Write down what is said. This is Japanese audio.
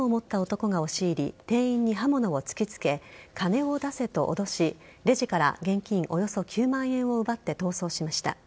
男が押し入り店員に刃物を突きつけ金を出せと脅しレジから現金およそ９万円を奪って逃走しました。